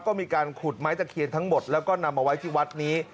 ก็มีการขุดไม้ตะเคียนทั้งหมดแล้วก็นำมาไว้ที่วัดนี้